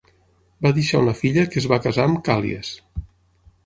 Va deixar una filla que es va casar amb Càl·lies.